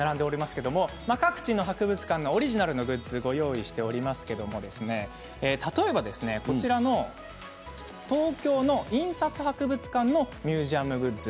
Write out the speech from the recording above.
各地の博物館のオリジナルグッズをご用意しておりますけれども例えば東京の印刷博物館のミュージアムグッズ。